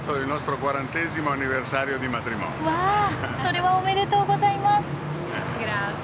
わあそれはおめでとうございます。